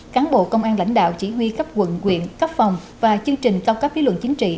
cán bộ công an lãnh đạo chỉ huy cấp quận quyện cấp phòng và chương trình cao cấp lý luận chính trị